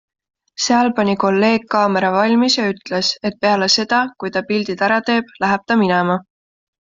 Seal pani kolleeg kaamera valmis ja ütles, et peale seda, kui ta pildid ära teeb, läheb ta minema.